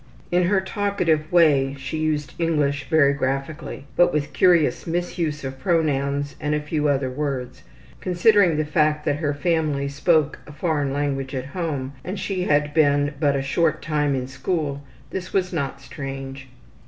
In her talkative way she used English very graphically, but with curious misuse of pronouns and a few other words. Considering the fact that her family spoke a foreign language at home and she had been but a short time in school this was not strange.